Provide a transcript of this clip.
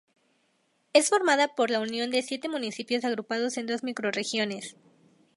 Es formada por la unión de siete municipios agrupados en dos microrregiones.